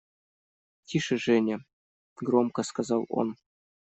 – Тише, Женя! – громко сказал он.